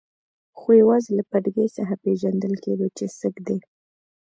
خو یوازې له پټکي څخه یې پېژندل کېدو چې سېک دی.